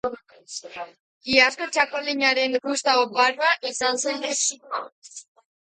Iazko txakolinaren uzta oparoa izan zen oso.